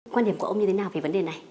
quan điểm của ông như thế nào về vấn đề này